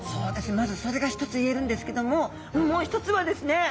まずそれが一つ言えるんですけどももう一つはですね